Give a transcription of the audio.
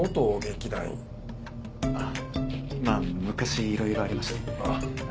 あっまぁ昔いろいろありまして。